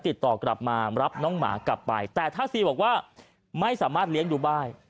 ติดต่อกลับมารับน้องหมากลับไปแต่ถ้าซีบอกว่าไม่สามารถเลี้ยงดูได้